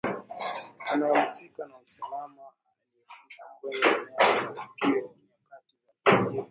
anayehusika na usalama aliyefika kwenye eneo la tukio nyakati za alfajiri